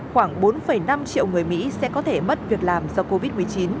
khoảng bốn năm triệu người mỹ sẽ có thể mất việc làm do covid một mươi chín